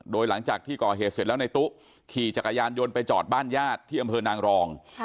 โดยหลังจากที่ก่อเหตุเสร็จแล้วในตู้ขี่จักรยานยนต์ไปจอดบ้านญาติที่อำเภอนางรอง